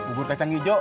ubur ke cang ijo